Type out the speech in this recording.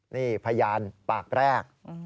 นี่พยานปากแรก